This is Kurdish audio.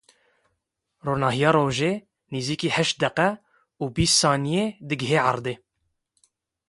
Ronahiya rojê nêzîkî heşt deqeyan û bîst saniyeyan digihîje erdê.